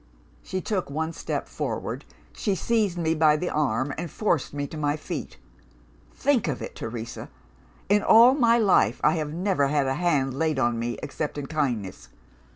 "She took one step forward; she seized me by the arm, and forced me to my feet. Think of it, Teresa! In all my life I have never had a hand laid on me except in kindness.